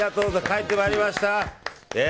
帰ってまいりました。